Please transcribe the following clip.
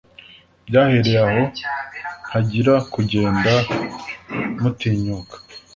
”Byahereye aho ntangira kugenda mutinyuka